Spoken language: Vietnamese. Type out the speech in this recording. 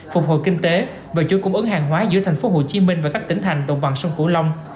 phục hồi kinh tế và chuẩn cung ứng hàng hóa giữa thành phố hồ chí minh và các tỉnh thành đồng bằng sông cửu long